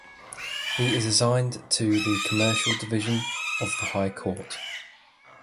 He is assigned to the Commercial Division of the High Court.